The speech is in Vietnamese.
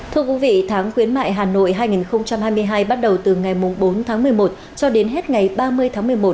thưa quý vị tháng khuyến mại hà nội hai nghìn hai mươi hai bắt đầu từ ngày bốn tháng một mươi một cho đến hết ngày ba mươi tháng một mươi một